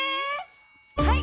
はい！